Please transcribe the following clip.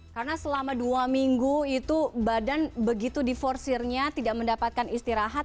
karena selama dua minggu itu badan begitu diforsirnya tidak mendapatkan istirahat